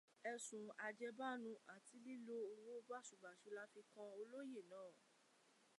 Ẹ̀sùn àjẹbánu àti lílo owó báṣubàṣu la fi kàn olóyè náà.